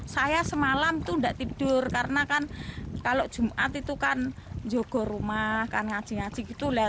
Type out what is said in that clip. saya semalam itu tidak tidur karena kan kalau jumat itu kan yogur rumah kan ngaji ngaji gitu lah